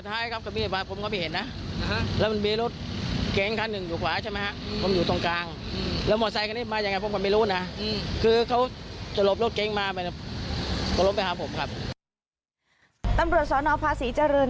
ตำรวจสวนอภาษีเจริญ